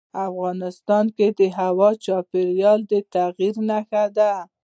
افغانستان کې هوا د چاپېریال د تغیر نښه ده.